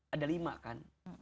ada lima kan